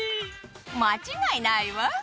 間違いないわ。